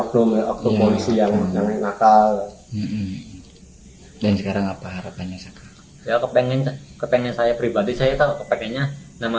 hai yang sekarang apa harapannya saya kepengen kepengen saya pribadi saya tahu kepingnya nama